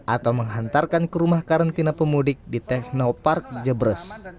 atau menghantarkan ke rumah karantina pemudik di teknopark jebrus